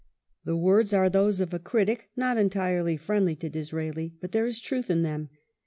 "] The words are those of a critic^ not entirely friendly to Disraeli, but there is truth in them.